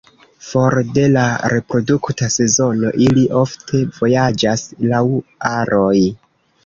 For de la reprodukta sezono, ili ofte vojaĝas laŭ aroj.